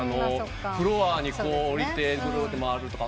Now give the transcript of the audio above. フロアに下りてぐるっと回るとか。